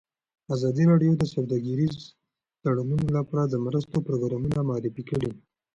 ازادي راډیو د سوداګریز تړونونه لپاره د مرستو پروګرامونه معرفي کړي.